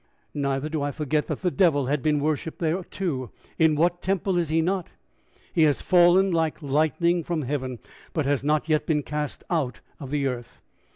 Neither do I forget that the devil had been worshiped there too in what temple is he not? He has fallen like lightning from heaven, but has not yet been cast out of the earth.